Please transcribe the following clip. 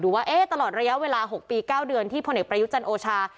ดูว่าเอ๊ะตลอดระยะเวลาหกปีเก้าเดือนที่พลเนกประยุจรรย์โอชา